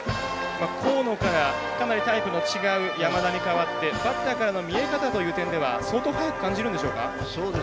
河野から、かなりタイプの違う山田に代わってバッターからの見え方という点では相当、速く感じるんでしょうか。